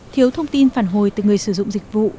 thiếu thông tin phản hồi từ người sử dụng dịch vụ